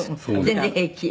「全然平気？」